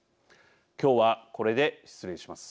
今日はこれで失礼します。